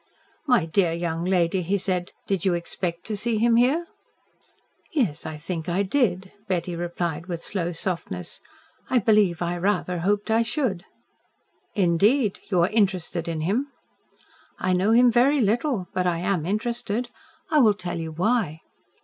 "My dear young lady," he said, "did you expect to see him here?" "Yes, I think I did," Betty replied, with slow softness. "I believe I rather hoped I should." "Indeed! You are interested in him?" "I know him very little. But I am interested. I will tell you why."